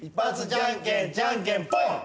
じゃんけんじゃんけんぽん！